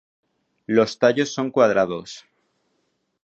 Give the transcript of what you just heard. Los tallos son cuadrados.